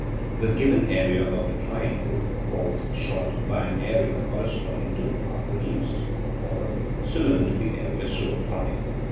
the given area of the triangle falls short by an area corresponding to the part produced (Or, similar to the area so applied.)